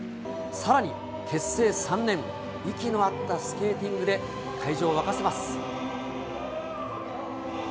さらに結成３年、息の合ったスケーティングで会場を沸かせます。